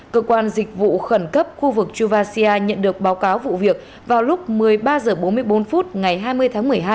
cơ quan dịch vụ khẩn cấp khu vực chuvacia nhận được báo cáo vụ việc vào lúc một mươi ba h bốn mươi bốn ngày hai mươi tháng một mươi hai